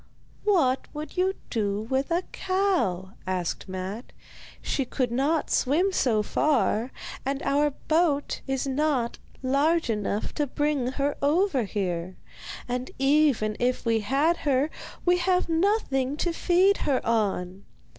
'What would you do with a cow?' asked Matte. 'She could not swim so far, and our boat is not large enough to bring her over here; and even if we had her, we have nothing to feed her on.